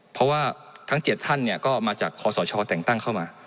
เพราะว่าทั้ง๗ท่านก็มาจากคอสชแต่งตั้งเข้ามา